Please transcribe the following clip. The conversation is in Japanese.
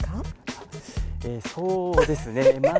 そうですねまだ。